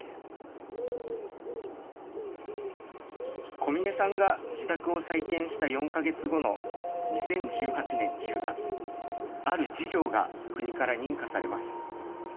小嶺さんが自宅を再建した４か月後の２０１８年１０月、ある事業が国から認可されます。